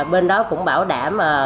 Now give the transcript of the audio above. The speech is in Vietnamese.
bên đó cũng bảo đảm